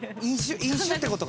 飲酒ってことか？